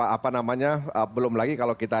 apa namanya belum lagi kalau kita